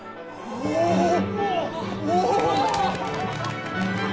おお！